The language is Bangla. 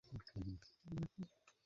স্রষ্টা তোর মঙ্গল করুক!